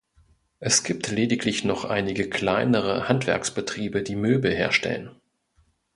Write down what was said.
Es gibt lediglich noch einige kleinere Handwerksbetriebe, die Möbel herstellen.